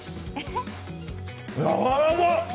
やわらかい！